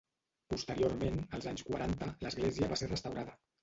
Posteriorment, els anys quaranta, l'església va ser restaurada.